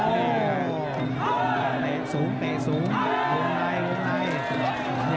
เตะสูงวงในวงใน